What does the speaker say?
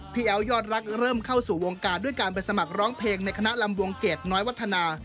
แอ้วยอดรักเริ่มเข้าสู่วงการด้วยการไปสมัครร้องเพลงในคณะลำวงเกรดน้อยวัฒนา